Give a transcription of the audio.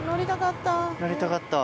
乗りたかった。